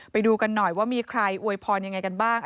ไปดูกันหน่อยว่ามีใครอวยพรยังไงกันบ้าง